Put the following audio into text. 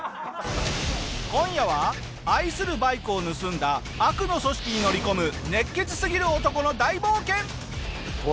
今夜は愛するバイクを盗んだ悪の組織に乗り込む熱血すぎる男の大冒険！